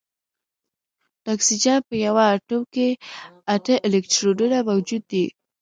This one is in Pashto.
د اکسیجن په یوه اتوم کې اته الکترونونه موجود وي